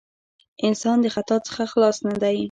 انسان د خطاء څخه خلاص نه دی.